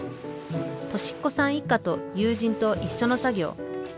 トシヒコさん一家と友人と一緒の作業。